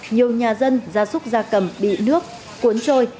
nhiều nhà dân ra súc ra cầm bị nước cuốn trôi